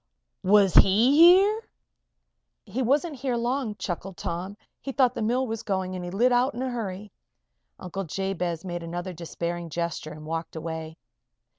"Was he here?" "He wasn't here long," chuckled Tom. "He thought the mill was going and he lit out in a hurry." Uncle Jabez made another despairing gesture and walked away.